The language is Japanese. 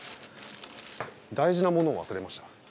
大事なものを忘れました。